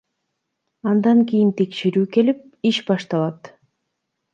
Андан кийин текшерүү келип, иш башталат.